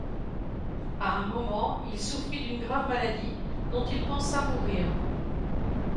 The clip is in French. À un moment il souffrit d'une grave maladie, dont il pensa mourir.